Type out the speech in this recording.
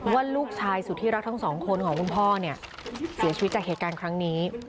ว่าลูกชายสุดที่รักทั้งสองคนของคุณพ่อเนี่ยเสียชีวิตจากเหตุการณ์ครั้งนี้